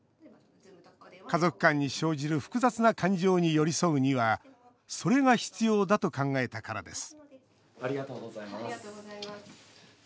家族間に生じる複雑な感情に寄り添うにはそれが必要だと考えたからです